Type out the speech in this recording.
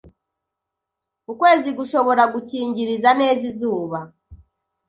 ukwezi gushobora gukingiriza neza izuba